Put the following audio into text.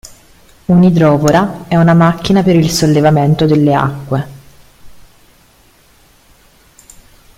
Un'Idrovora è una macchina per il sollevamento delle acqua.